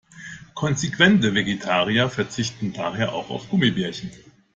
Konsequente Vegetarier verzichten daher auch auf Gummibärchen.